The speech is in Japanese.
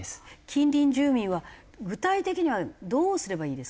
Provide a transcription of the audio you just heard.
近隣住民は具体的にはどうすればいいですか？